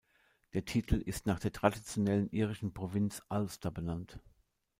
Der Titel ist nach der traditionellen irischen Provinz Ulster benannt.